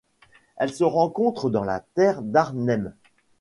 Elle se rencontre dans la terre d'Arnhem.